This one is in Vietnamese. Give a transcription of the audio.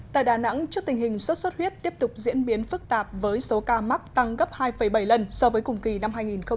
tại đà nẵng trước tình hình sốt xuất huyết tiếp tục diễn biến phức tạp với số ca mắc tăng gấp hai bảy lần so với cùng kỳ năm hai nghìn một mươi chín